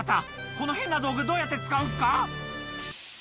この変な道具どうやって使うんすか？」